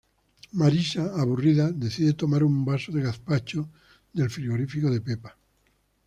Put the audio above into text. Marisa, aburrida, decide tomar un vaso de gazpacho del frigorífico de Pepa.